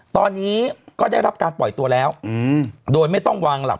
ตอนนี้ก็ได้รับการปล่อยตัวแล้วโดยไม่ต้องวางหลัก